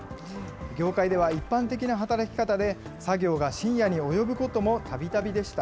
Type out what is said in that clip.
業界では一般的な働き方で、作業が深夜に及ぶこともたびたびでした。